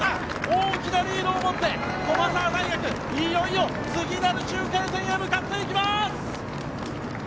大きなリードを持って駒澤大学、いよいよ次なる中継点へ向かっていきます！